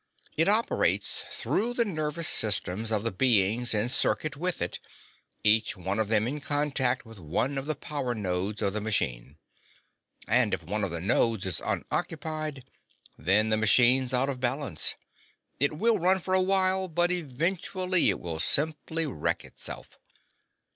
"It operates through the nervous systems of the beings in circuit with it, each one of them in contact with one of the power nodes of the machine. And if one of the nodes is unoccupied, then the machine's out of balance. It will run for a while, but eventually it will simply wreck itself.